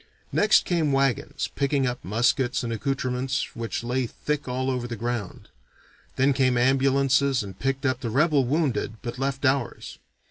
Next came wagons, picking up muskets and accoutrements which lay thick all over the ground. Then came ambulances and picked up the rebel wounded but left ours.